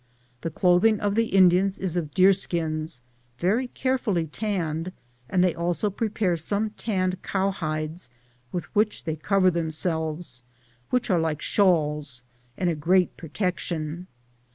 The clothing of the Indians is of deerskins, very carefully tanned, and they also prepare some tanned cowhides, with which they cover themselves, which are like shawls, and a great protection.